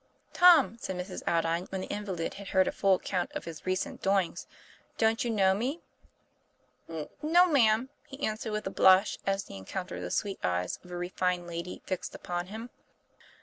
"Tom," said Mrs. Aldine, when the invalid had heard a full account of his recent doings, "don't you know me?" TOM PL A YFAIR. 239 'No, ma'am," he answered, with a blush, as he encountered the sweet eyes of a refined lady fixed upon his.